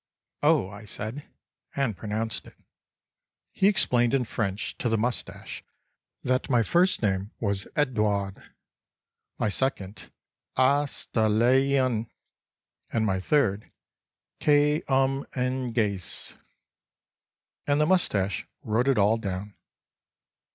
—"Oh," I said; and pronounced it. He explained in French to the moustache that my first name was Edouard, my second "A s tay l ee n," and my third "Kay umm ee n gay s"—and the moustache wrote it all down.